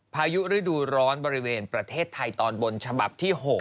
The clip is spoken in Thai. พายุฤดูร้อนบริเวณประเทศไทยตอนบนฉบับที่๖